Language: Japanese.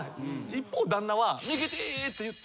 一方旦那は。